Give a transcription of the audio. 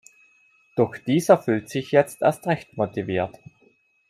Doch dieser fühlt sich jetzt erst recht motiviert.